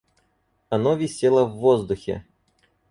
Оно висело в воздухе.